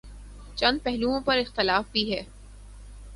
چند پہلوئوں پر اختلاف بھی ہے۔